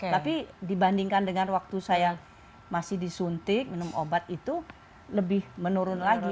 tapi dibandingkan dengan waktu saya masih disuntik minum obat itu lebih menurun lagi